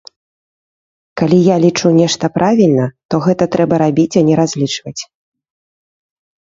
Калі я лічу нешта правільна, то гэта трэба рабіць, а не разлічваць.